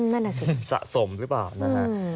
นั่นน่ะสิสะสมหรือเปล่านะฮะ